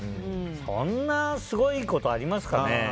そんなすごいことありますかね。